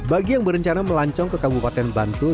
bagi yang berencana melancong ke kabupaten bantul